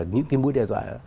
những cái mối đe dọa